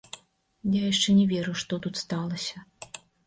Я яшчэ не веру, што тут сталася.